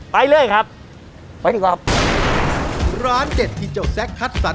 ไปเลยครับไปครับร้านเด็ดที่เจ้าแซ็กคัดสรร